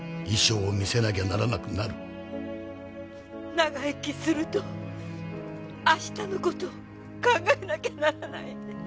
「長生きすると明日の事を考えなきゃならない」